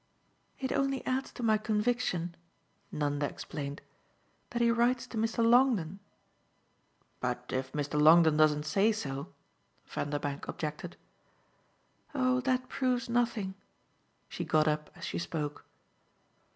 "It only adds to my conviction," Nanda explained, "that he writes to Mr. Longdon." "But if Mr. Longdon doesn't say so ?" Vanderbank objected. "Oh that proves nothing." She got up as she spoke.